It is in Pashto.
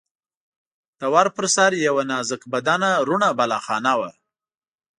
د ور پر سر یوه نازک بدنه رڼه بالاخانه وه.